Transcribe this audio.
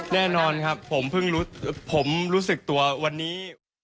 แน่นอนครับผมรู้สึกตัววันนี้